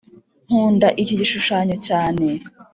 nkunda icyi gishushanyo cyane.